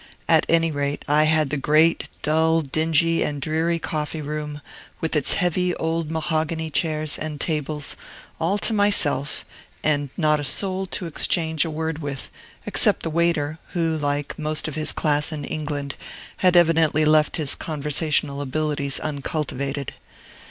At any rate, I had the great, dull, dingy, and dreary coffee room, with its heavy old mahogany chairs and tables, all to myself, and not a soul to exchange a word with, except the waiter, who, like most of his class in England, had evidently left his conversational abilities uncultivated.